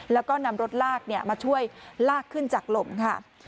แล้วก็นำรถลากมาช่วยลากขึ้นจากลมค่ะ